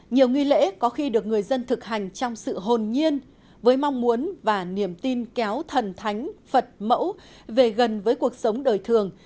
nhiều nghi lễ có khi được người dân thực hành trong sự hồn nhiên với mong muốn và niềm tin kéo thần thánh phật mẫu về gần với cuộc sống đời thường